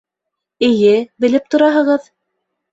Эйе, белеп тораһығыҙ!